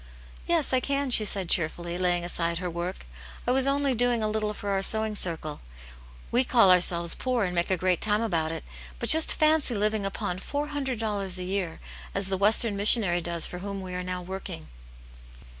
" Yes, I can," she said cheerfully, laying aside her work. "I was only doing a little for our sewing circle. We call ourselves poor, and make a great time about it, but just fancy living u^ow (ov\x Vvvixsjix^^ 120 Atuit Jane's Hero. dollars a year, as the Western Missionary does for whom we are now working."